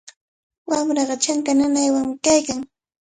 Wamraa chanka nanaywanmi kaykan.